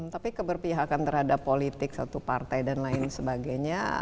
tapi keberpihakan terhadap politik satu partai dan lain sebagainya